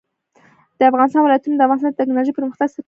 د افغانستان ولايتونه د افغانستان د تکنالوژۍ پرمختګ سره تړاو لري.